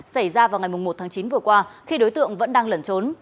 xảy ra vào ngày một tháng chín vừa qua khi đối tượng vẫn đang lẩn trốn